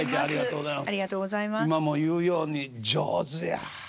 今も言うように上手やあ。